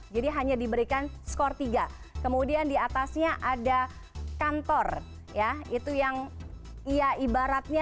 jadi hanya diberikan skor tiga kemudian di atasnya ada kantor ya itu yang iya ibaratnya